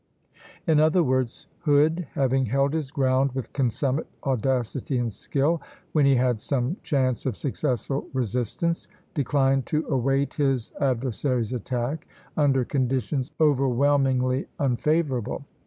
" In other words, Hood having held his ground with consummate audacity and skill, when he had some chance of successful resistance, declined to await his adversary's attack under conditions overwhelmingly unfavorable.